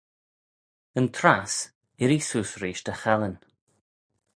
Yn trass, irree seose reesht y challin.